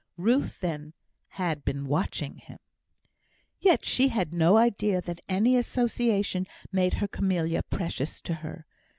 Ruth, then, had been watching him. Yet she had no idea that any association made her camellia precious to her.